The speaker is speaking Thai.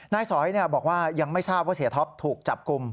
สอยบอกว่ายังไม่ทราบว่าเสียท็อปถูกจับกลุ่ม